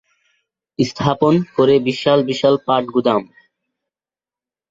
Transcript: স্থাপন করে বিশাল বিশাল পাট গুদাম।